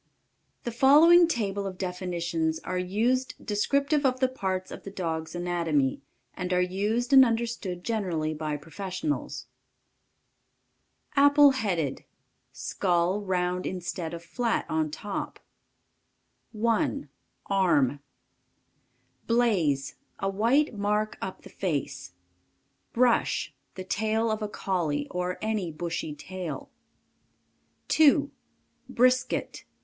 The following table of definitions are used descriptive of the parts of the dog's anatomy, and are used and understood generally by professionals: [Illustration: (The numbers refer to the picture.)] Apple headed. Skull round instead of flat on top. 1. ARM. Blaze. A white mark up the face. Brush. The tail of a Collie, or any bushy tail. 2. BRISKET.